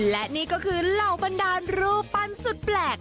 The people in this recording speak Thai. และนี่ก็คือเหล่าบันดาลรูปปั้นสุดแปลก